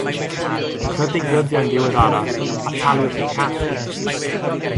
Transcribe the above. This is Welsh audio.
Ychydig ddyddiau'n ddiweddarach, Ataliwch y Cap!